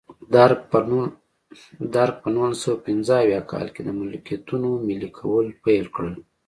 درګ په نولس سوه پنځه اویا کال کې د ملکیتونو ملي کول پیل کړل.